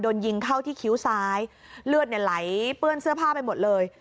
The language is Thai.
โดนยิงเข้าที่คิ้วซ้ายเลือดเนี่ยไหลเปื้อนเสื้อผ้าไปหมดเลย